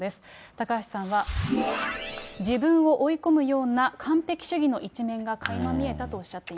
高橋さんは、自分を追い込むような完璧主義の一面がかいま見えたとおっしゃっ